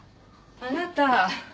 あなた。